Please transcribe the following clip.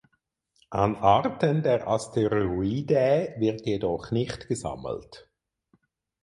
An Arten der Asteroideae wird jedoch nicht gesammelt.